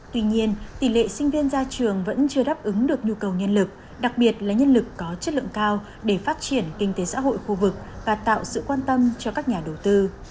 tuy nhiên tỷ lệ sinh viên ra trường vẫn chưa đáp ứng được nhu cầu nhân lực đặc biệt là nhân lực có chất lượng cao để phát triển kinh tế xã hội khu vực và tạo sự quan tâm cho các nhà đầu tư